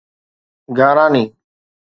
گاراني